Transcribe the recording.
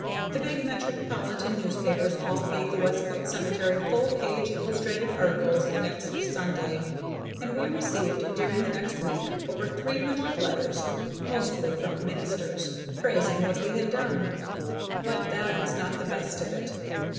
The big metropolitan newspapers all gave the Westcote Cemetery full page illustrated articles the next Sunday, and we received during the next week over three hundred letters, mostly from ministers, praising what we had done. But that was not the best of it.